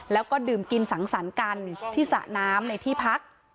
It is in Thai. แล้วก็ดื่มกินสังสรรค์กันที่สระน้ำในที่พัก